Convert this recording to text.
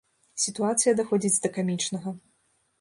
Сітуацыя даходзіць да камічнага.